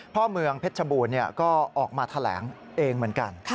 เมืองเพชรบูรณ์ก็ออกมาแถลงเองเหมือนกัน